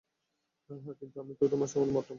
হ্যাঁ, কিন্তু আমি তো আর তোমাদের মতলব জানতাম না।